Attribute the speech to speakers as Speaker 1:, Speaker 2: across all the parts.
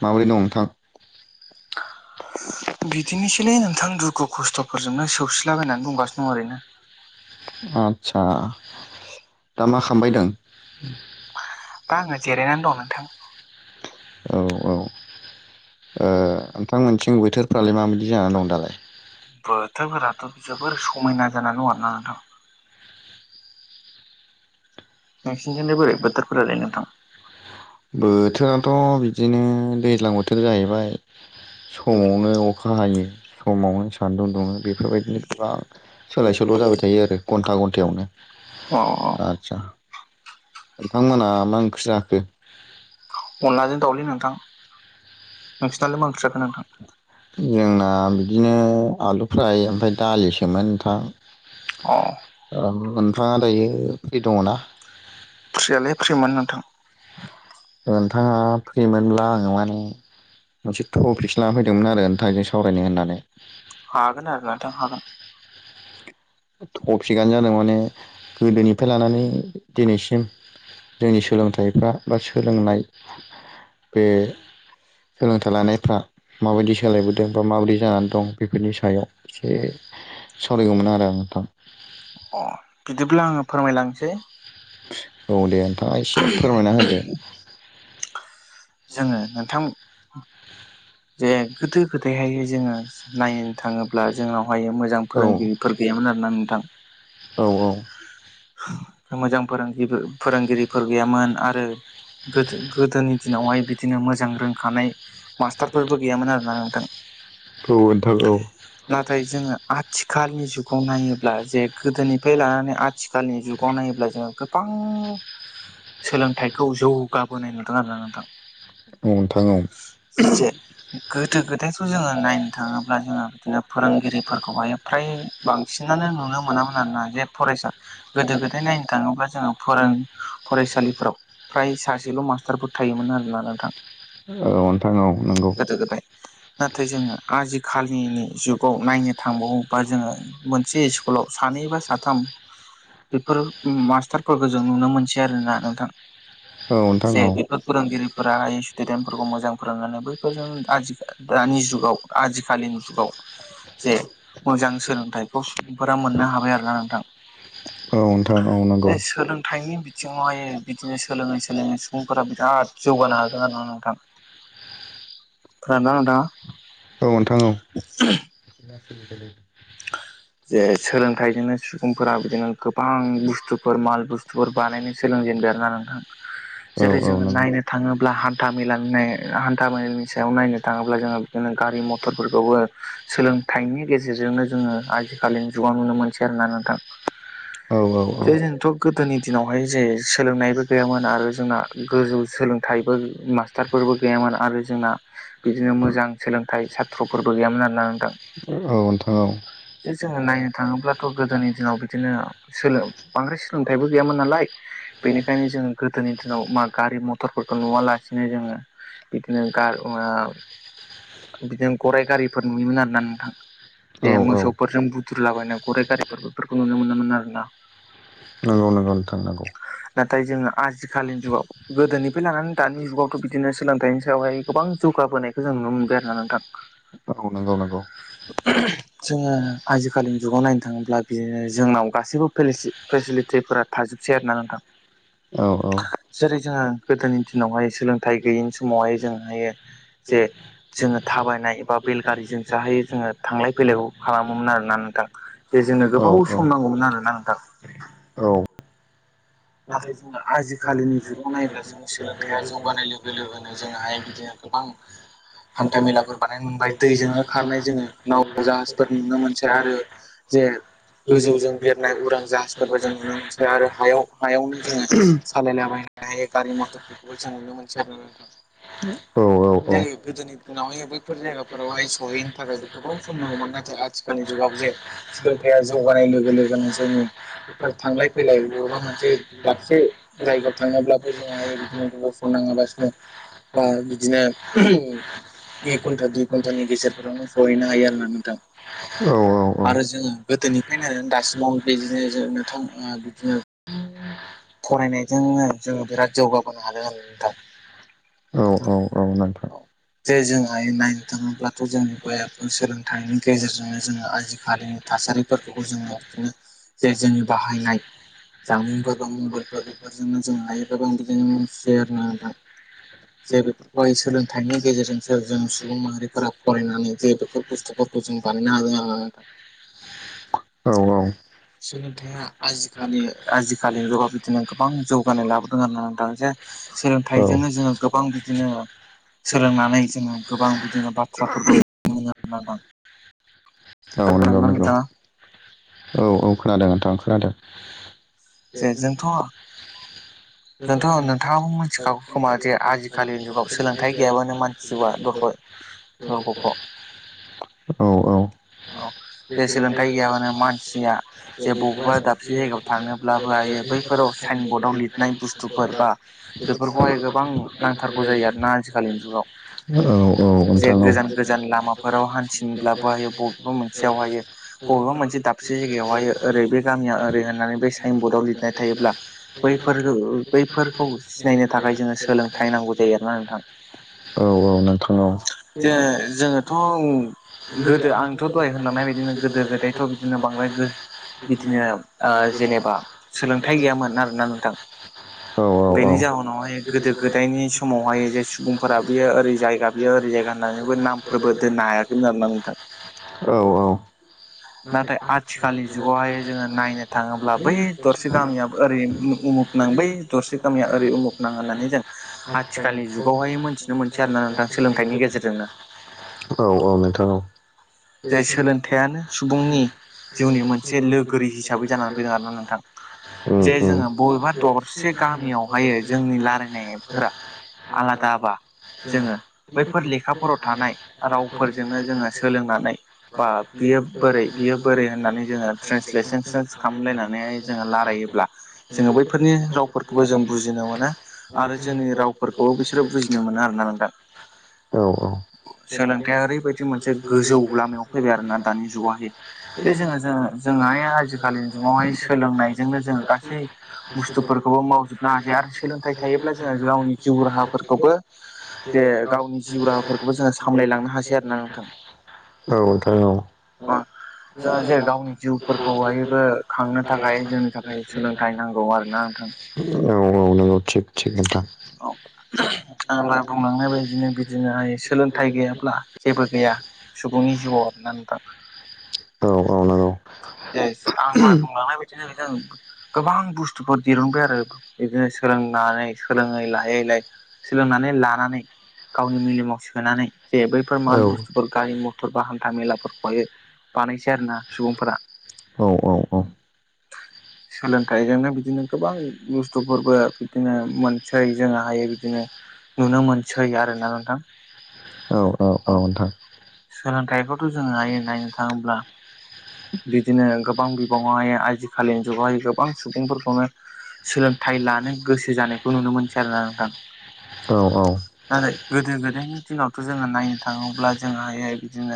Speaker 1: माबोरै दं नोंथां? [inaudible]
Speaker 2: बिदिनोसैलै नोंथां दुखु खस्थफोरजोंनो सौसिलाबायनानै दंगासिनो दं ओरैनो।
Speaker 1: आतसा‌ दा मा खालामबाय दों?
Speaker 2: दा आङो जिरायनानै दं नोंथां
Speaker 1: औ औ ओ नोंथांमोनथिं बोथोरफ्रालाय माबायदि जानानै दं दालाय?
Speaker 2: बोथोरफोराथ जोबोर समायना जानानै दं आरोना नोंथां। नोंसिनिजोंनो बोरै बोथोरफोरालै नोंथां?
Speaker 1: बोथोराथ बिदिनो दैज्लां बोथोर जाहैबाय। समावनो
Speaker 2: [inaudible]
Speaker 1: अखा हायो समावनो सान्दुं दुङो बेफोरबायदिनो गोबां सोलाय सोल जाबाय थायो आरो घन्टायावनो
Speaker 2: अ अ
Speaker 1: आदसा। नोंथांमोना मा ओंख्रि जाखो?
Speaker 2: अनलाजों दावउलि नोंथां। नोंसिनालाय मा ओंख्रि जाखो नोंथां?
Speaker 1: जोंना बिदिनो आलु फ्राय ओमफ्राय दालिसोमोन नोंथां।
Speaker 2: अ
Speaker 1: मोनफाङा दायो बे दङना?
Speaker 2: फ्रियालाय फ्रिमोन नोंथां।
Speaker 1: नोंथाङा फ्रिमोनब्ला आङो माने मोनसे टपिकसो लानानै फैदोंमोन आरो नोंथां जों सावरायनो होननानै।
Speaker 2: हागोन आरो नोंथां हागोन।
Speaker 1: थफिखआनो जादों माने गोदोनिफ्राय लानानै दिनैसिम जोंनि सोलोंथाइफ्रा बा सोलोंनाय बे सोलोंथाइ लानायफ्रा माबायदि सोलायबोदों बा माबायदि जानानै दं बेफोरनि सायाव एसे सावरायगौमोन आरो आं।
Speaker 2: अ बिदिब्ला आङो फोरमायलांसै।
Speaker 1: औ दे नोंथाङा एसे फोरमायना होदो।
Speaker 2: जोङो नोंथां। जे गोदो गोदायहाय जोङो नायनो थाङोब्ला जोंनावहाय मोजां
Speaker 1: औ
Speaker 2: फोरोंगिरिफोर गैय यामोन आरो ना नोंथां।
Speaker 1: औ औ।
Speaker 2: मोजां फोरों फोरोंगिरिफोर गैयामोन आरो गोदोनि दिन नावहाय बिदिनो मोजां रोंखानाय मास्टारफोरबो गैयामोन आरोना नोंथां। [inaudible]
Speaker 1: नोंथां औ
Speaker 2: नाथाय जोङो आथिखालनि जुगाव नायोब्ला जे गोदोनिफ्राय लानानै आथिखालनि जुगाव नायोब्ला जोङो गोबां सोलोंथाइखौ जौगाबोनाय नुदों आरोना नोंथां।
Speaker 1: नोथाङआव।
Speaker 2: जे गोदो गोदायथ जोङो नायनो थाङोब्ला जोङो बिदिनो फोरोंगिरिफोरखौहाय फ्राय बां बांसिनानो नुनो मोनामोन आरोना जे फरायसा गोदो गोदाय नायनो थाङोब्ला जोङो फोरों फरायसालिफोराव फ्राय सासेल' मास्टारफोर थायोमोन आरोना नोंथां
Speaker 1: औ नोंथां नांगौ
Speaker 2: गोदो गोदाय नाथाय जोङो आजिखालिनि जुगाव नायनो थांबावोबा जोङो मोनसे स्कुलाव सानै बा साथाम
Speaker 1: आं
Speaker 2: बेफोर मास्टारफोरखौ जों
Speaker 1: [unintelligible]
Speaker 2: नुनो मोनसै आरोना नोंथां
Speaker 1: [unintelligible]
Speaker 2: जे बेफोर फोरोंगिरिफोरा स्टुदेन्टफोरखौ मोजां फोरोंनानैबो बेखौ जों आजि दानि जुगाव आजिखालिनि
Speaker 1: औ
Speaker 2: जुगाव जे मोजां सोलोंथाइ बेखौ सुबुंफोरा मोननो हाबाय आरोना नोंथां।
Speaker 1: औ नोंथां औ
Speaker 2: बे
Speaker 1: नंगौ
Speaker 2: सोलोंथाइनि बिथिङावहायो बिदिनो सोलोङै सोलोङै सुबुंफोरा बिराथ जौगानो हागोन आरो ना नोंथां खोनादोंना नोंथां औ खोनादों जे सोलोंथाइजोंनो सुबुंफोरा बिदिनो गोबां बुस्थुफोर माल बुस्थुफोर बानायनो सोलों जेनदों आरो ना नोंथां
Speaker 1: औ औ
Speaker 2: जेरै
Speaker 1: औ
Speaker 2: जोङो
Speaker 1: नंगौ
Speaker 2: नायनो थाङोब्ला हानथा मेला [unintelligible] सायाव नायनो थाङोब्ला जोङो बिदिनो गारि मथरफोरखौबो सोलोंथाइनि गेजेरजोंनो जोङो आजिखालिनि जुगाव नुनो मोनसै आरो ना नोंथां।
Speaker 1: औ औ
Speaker 2: बे जोंथ' गोदोनि दिनावहाय जे सोलोंनायबो गैयामोन आरो जोंना गोजौ सोलोंथाइबो मास्टारफोरबो गैयामोन आरो जोंना बिदिनो मोजां सोलोंथाइ साथ्र'फोरबो गैयामोन आरोना नोंथां
Speaker 1: औ नोंथां
Speaker 2: जे जोङो नायनो थाङोब्लाथ' गोदोनि दिनाव बिदिनो बांद्राय सोलोंथाइबो गैयामोन नालाय बेनिखायनो जोङो गोदोनि दिनाव मा गारि मथरफोरखौ नुवालासिनो बिदिनो जोङो बिदिनो गार बिदिनो गराइ गारिफोर नुयोमोन आरोना नोंथां
Speaker 1: औ
Speaker 2: बे
Speaker 1: औ
Speaker 2: मोसौफोरजों बुद्रुलाबायनाय गराइ गारिफोर बेफोरखौ नुनो मोनामोन आरो ना
Speaker 1: नंगौ नंगौ नोंथां नंगौ
Speaker 2: नाथाय जोंङो आजिखालिनि जुगाव गोदोनिफ्राय लानानै दानि जुगावथ' बिदिनो सोलोंथाइनि सायावहाय गोबां जौगाबोनायखौ जों नुनो मोनबाय आरोना नोंथां
Speaker 1: मावनांगौ
Speaker 2: जोङो आजिखालिनि जुगाव नायनो थाङोब्ला बियो जोंनाव गासैबो फोरा थाजोबसै आरोना नोंथां
Speaker 1: औ औ
Speaker 2: जेरै जोङो गोदोनि दिनावहाय सोलोंथाइ गैयिनि समावहाय जों हायो जे जोङो थाबायनाय एबा बेलगारिजों जा हायो जोङो थांलाय फैलाय खालामोमोन आरोना नोंथां जोंनो
Speaker 1: औ
Speaker 2: गोबाव
Speaker 1: नोंथां
Speaker 2: सम नांगौमोन आरोना नोंथां
Speaker 1: औ
Speaker 2: नाथाय जोङो आजिखालिनि जुगाव नायोब्ला जोङो सोलोंथाइया जौगानाय लोगो लोगोनो जोङोहाय बिदिनो गोबां हान्था मेलाफोर बानायनो मोनबाय दैजोंनो
Speaker 1: [inaudible]
Speaker 2: खारनाय जोङो नाव जाहाजफोर नुनो मोनसै आरो
Speaker 1: [unintelligible]
Speaker 2: जे गोजौजों बिरनाय उरां जाहाजफोरबो जों नुनो मोनसै आरो हायाव हायावनो जोङो सालायलाबायनाय गारि मथरफोरखौबो जों नुनो मोनसै आरोना नोंथां जायो
Speaker 1: औ
Speaker 2: गोदोनि दिनावहाय
Speaker 1: औ
Speaker 2: बैफोर जायगाफोरावहाय
Speaker 1: औ
Speaker 2: सहैनो थाखायबो गोबाव
Speaker 1: [unintelligible]
Speaker 2: सम नांगौमोन नाथाय
Speaker 1: जगानाय
Speaker 2: आथिखालनि जुगाव जे
Speaker 1: लोगो
Speaker 2: सोलोंथाइया
Speaker 1: थांलाय
Speaker 2: जौगानाय लोगो लोगोनो
Speaker 1: फैलाय
Speaker 2: जोंनि
Speaker 1: माबा
Speaker 2: थांलाय फैलाय बबेबा
Speaker 1: मोन
Speaker 2: दाबसे जायगायाव थांनोब्लाबो जोङोहाय बिदिनो गाव सम नाङाबासिनो बा बिदिनो एक घन्टा दुइ घन्टानि गेजेरफोरावनो सहैनो हायो आरो ना नोंथां आरो जोङो गोदोनिफ्रायनो दासिमाव बिदिनो ज नोंथां बिदिनो फरायनायजोंनो जों बिराद जौगाबोनो हादों नोंथां
Speaker 1: औ औ औ नोंथां
Speaker 2: [unintelligible] थासारिफोरखौबो जोङो बिदिनो जे जोंनि बाहायनाय जामुंफोर बा मबाइलफोर बेफोरजोंनो जों लायोब्लाबो आं बिदिनो मोनथियो आरो ना नोंथां
Speaker 1: जेरै
Speaker 2: बै सोलोंथाइनि गेजेरजोंसो जों सुबुं माहारिफोरा फरायनानै जे बेफोर बुस्थुफोरखौ जों बानायनो
Speaker 1: औ औ [inaudible]
Speaker 2: हागोन
Speaker 1: [unintelligible]
Speaker 2: सोलोंथाइया आजिखालि आजिखालिनि जुगाव बिदिनो गोबां जौगानाय लाबोदों आरोना नोंथां जे सोलोंथाइजोंनो जोङो गोबां बिदिनो सोलोंनानै जोङो गोबां बिदिनो बाथ्राफोरबो
Speaker 1: औ नोंगौ नोंगौ
Speaker 2: नोंथाङा
Speaker 1: औ औ खोनादों नोंथां खोनादों।
Speaker 2: जे जोंथ' जोंथ' नोंथाङाबो मिथिखागौ खोमा जे आजिखालिनि जुगाव सोलोंथाइ गैयाबानो मानसि जिउआ दरग' दरग'ख'
Speaker 1: [unintelligible] [unintelligible] औ औ।
Speaker 2: औ जे सोलोंथाइ गैयाबानो मानसिया जे बबेबा दाबसे जायगायाव थाङोब्ला लायो बैफोराव साइन बर्डआव लिरनाय बुस्थुफोर बा बेफोरखौहाय गोबां नांथारगौ जायो आरोना आजिखालिनि जुगाव।
Speaker 1: औ औ
Speaker 2: जे
Speaker 1: नोंथां
Speaker 2: गोजान गोजान लामाफोराव हान्थिनोब्लाबो हायो ब बा मोनसेयावहायो बबेबा मोनसे दाबसे जायगायावहायो ओरै बे गामिया ओरै होननानै बेस साइन बर्डआव लिरनाय थायोब्ला बैफोरो बैफोरखौ सिनायनो थाखाय जोङो सोलोंथाइ नांगौ जायो आरोना नोंथां।
Speaker 1: औ औ नोंथां औ
Speaker 2: जे जोङोथ' गोदो आं थ' दहाय होनलांनाय बायदिनो गोदो गोदायथ' बिदिनो बांद्राय गो बिदिनो ओ जेने बा सोलोंथाइ गैयामोन आरोना नोंथां।
Speaker 1: औ औ औ
Speaker 2: बेनि जाहोनावहाय गोदो गोदायनि समावहाय जे सुबुंफोरा बियो ओरै जायगा बियो ओरै जायगा होननानैबो नामफोरबो दोननो हायाखैमोन आरोना नोंथां।
Speaker 1: औ
Speaker 2: नाथाय
Speaker 1: औ।
Speaker 2: अब्ला बै दरसे गामियाबो ओरै उमुख उमुख नाम बै दरसे गामिया ओरै उमुख नाम होननानै जों आथिखालनि जुगावहाय मोनथिनो मोनसै आरोना नोंथां सोलोंथाइनि गेजेरजोंनो।
Speaker 1: औ औ नोंथां औ।
Speaker 2: जाय सोलोंथाइयानो सुबुंनि जिउनि मोनसे लोगोरि हिसाबै जानानै फैदों आरोना नोंथां।
Speaker 1: उम
Speaker 2: जे
Speaker 1: उम
Speaker 2: जोङो बबेबा दरसे
Speaker 1: औ
Speaker 2: गामियावहायो जोंनि लायरायनायफोरा आलाद दाबा जोङो बैफोर लेखाफोराव थानाय रावफोरजोंनो जोङो सोलोंनानै बा बियो बोरै बियो बोरै होननानै जोङो ट्रेन्सलेसोन सोन खालामलायनानै जोङो लारायोब्ला जोङो बैफोरनि रावफोरखौबो जों बुजिनो मोना आरो जोंनि रावफोरखौबो बिसोरो बुजिनो मोना आरोना नोंथां।
Speaker 1: औ औ
Speaker 2: सोलोंथाइया ओरैबायदि मोनसे गोजौ लामायाव फैबाय आरोना दानि जुगाहे बे जोङो जोङो जोङो हाय आजिखालि जुगावहाय सोलोंनायजोंनो जोङो गासै बुस्थुफोरखौबो मावजोबनो हासै आरो सोलोंथाइ थायोब्ला जोङो गावनि जिउ राहाफोरखौबो
Speaker 1: [unintelligible]
Speaker 2: जे गावनि जिउ राहाफोरखौबो जोङो सामलायलांनो हासै आरोना नोंथां
Speaker 1: [unintelligible] ।
Speaker 2: जोंहा जे गावनि जिउफोरखौहायबो
Speaker 1: [unintelligible]
Speaker 2: खांनो थाखाय जोंनि थाखाय सोलोंथाइ नांगौ आरोना नोंथां।
Speaker 1: औ औ नोंगौ थिग थिग नोंथां।
Speaker 2: आङो बुंलांनाय बायदिनो बिदिनोहाय सोलोंथाइ गैयाब्ला जेबो गैया। सुबुंनि जिउआव आरोना नोंथां।
Speaker 1: औ औ नोंगौ।
Speaker 2: आं दहाय बुंलांनाय बायदिनो जों गोबां बुस्थुफोर दिरुनबाय आरो बिदिनो सोलोंनानै सोलोङै लायै लायै सोलोंनानै लानानै गावनि मेलेमाव सोनानै जे बैफोर
Speaker 1: औ
Speaker 2: माल बुस्थुफोर गारि मथर बा हान्था मेलाफोरखौहायो बानायसै आरोना सुबुंफोरा।
Speaker 1: औ औ औ।
Speaker 2: सोलोंथाइजोंनो बिदिनो गोबां बुस्थुफोरबो बिदिनो मोनसै जोङो हायो बिदिनो नुनो मोनसै आरोना नोंथां। औ सोलोंथाइखौथ' जोङो आयेन नायनो थाङोब्ला बिदिनो गोबां बिबाङावहाय आजिखालिनि जुगावहाय गोबां सुबुंफोरखौनो सोलोंथाइ लानो गोसो जानायखौ नुनो मोनसै आरोना नोंथां।
Speaker 1: औ औ।
Speaker 2: आरो गोदो गोदायनि दिनावथ' जोङो नायनो थाङोब्ला जोंहायो बिदिनो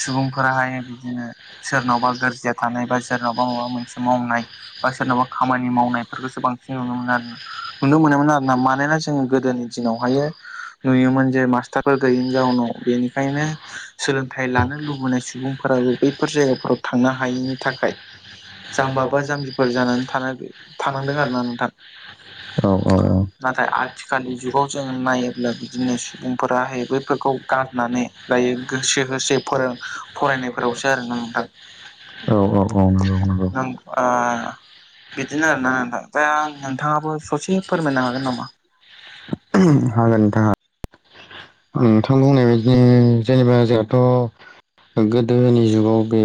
Speaker 2: सुबुंफोराहाय बिदिनो [unintelligible] थानाय बा सोरनावबा माबा मोनसे मावनाय बा सोरनावबा खामानि मावनायफोरखौसो बांसिन नुनो मोनो आरोना। नुनो मोनोमोन आरो ना मानोना जोंङो गोदोनि दिनावहाय नुयोमोन जे मास्टार सोलोंथाइ लानो
Speaker 1: [unintelligible]
Speaker 2: लुबैनाय सुबुंफोराबो बैफोर जायगाफोराव थांनो हायैनि
Speaker 1: [unintelligible]
Speaker 2: थाखाय जाम्बा बा जाम्बिफोर जानानै थानो
Speaker 1: औ
Speaker 2: थानांदों आरोना नोंथां
Speaker 1: औ
Speaker 2: नाथाय आथिखालनि जुगाव जोङो नायोब्ला बिदिनो
Speaker 1: औ।
Speaker 2: सुबुंफोराहाय बैफोरखौ गारनानै
Speaker 1: [unintelligible]
Speaker 2: दायो गोसो होसो फोरों
Speaker 1: औ
Speaker 2: फरायनायफोरावसो आरोना नोंथां
Speaker 1: औ
Speaker 2: नों
Speaker 1: औ
Speaker 2: ओ बिदिनो आरोना
Speaker 1: नंगौ
Speaker 2: नोंथां दा नोंथाङाबो ससे
Speaker 1: नंगौ।
Speaker 2: फोरमायनो हागोन नामा?
Speaker 1: [unintelligible] [unintelligible] जेनेबा जोंहाथ' गोदोनि जुगाव बे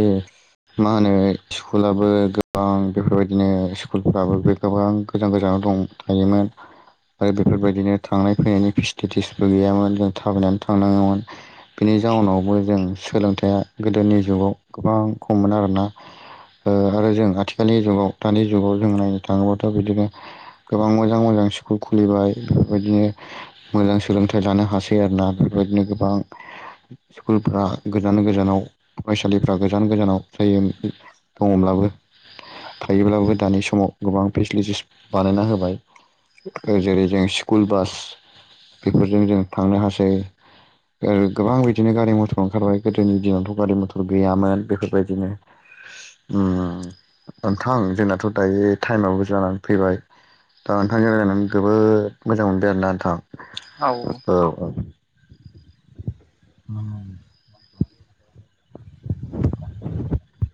Speaker 1: मा होनो स्कुलाबो गोबां बेफोरबायदिनो स्कुलफ्राबो बे गोबां गोजान गोजान [unintelligible] आरो बेफोरबायदिनो थांनाय फैनायनि फेसिलिटिसबो गैयामोन जों थाबायनानै थांनाङोमोन। बेनि जाउनावबो जों सोलोंथाइआ गोदोनि जुगाव गोबां खममोन आरोना। ओ आरो जों आथिखालनि जुगाव दानि जुगाव जों नायनो थाङोबाथ' बिदिनो गोबां मोजां मोजां स्कुल खुलिबाय बेफोरबायदिनो मोजां सोलोंथाइ लानो हासै आरोना। बेबायदिनो गोबां स्कुलफ्रा गोजान गोजानाव फरायसालिफ्रा गोजान गोजानाव जायो दङब्लाबो थायोब्लाबो दानि समाव गोबां फेसिलिटिस बानायना होबाय जेरै जों स्कुल बास बेफोरजों जों थांनो हासै। ओ गोबां बिदिनो गारि मथर ओंखारबाय गोदोनि दिनावथ' गारि मथर गैयामोन बेफोरबायदि बिदिनो उम नोंथां जोंनाथ' दायो टाइमाबो जानानै फैबाय। दा नोंथांजों रायलायनानै जोबोद मोजां मोनदों आरोना
Speaker 2: औ औ
Speaker 1: नोंथां [unintelligible]
Speaker 2: [inaudible] [inaudible]